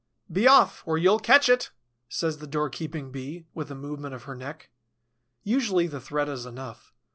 "Be off, or you'll catch it!" says the doorkeeping Bee, with a movement of her neck. Usually the threat is enough.